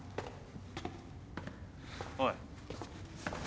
おい。